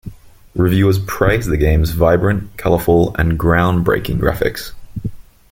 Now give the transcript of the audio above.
Reviewers praised the game's vibrant, colourful and "groundbreaking" graphics.